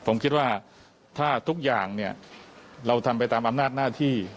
ผมคิดว่าถ้าทุกอย่างเนี่ยเราทำไปตามอำนาจหน้าที่